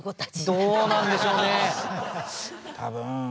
どうなんでしょうね？